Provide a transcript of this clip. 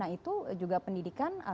nah itu juga pendidikan